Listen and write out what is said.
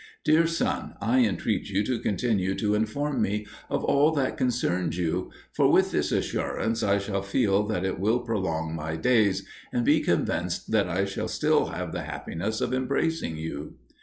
Dear son, I entreat you to continue to inform me of all that concerns you, for with this assurance I shall feel that it will prolong my days, and be convinced that I shall still have the happiness of embracing you.